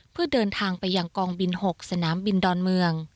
เพื่อเดินทางไปยังกองบิน๖สนามบินดอนเมือง